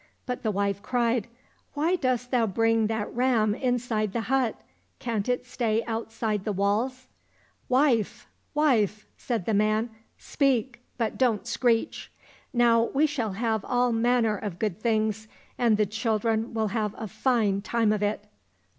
— But the wife cried, " Why dost thou bring that ram inside the hut, can't it stay outside the walls ?"—" Wife, wife !" said the man, " speak, but don't screech. Now we shall have all manner of good things, and the children will have a fine time of it."